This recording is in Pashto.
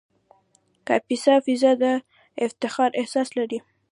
د کاپیسا فضا د افتخار احساس لري.